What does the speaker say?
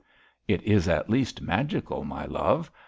'It is at least magical, my love.